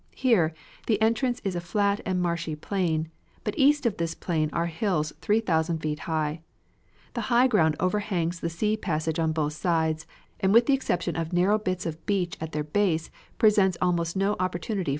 Here, the entrance is a flat and marshy plain, but east of this plain are hills three thousand feet high. The high ground overhangs the sea passage on both sides, and with the exception of narrow bits of beach at their base, presents almost no opportunity for landing.